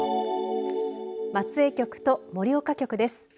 松江局と盛岡局です。